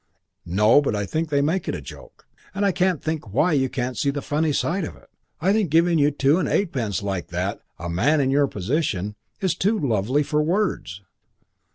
"No, but I think they make it a joke, and I can't think why you can't see the funny side of it. I think giving you two and eightpence like that a man in your position is too lovely for words."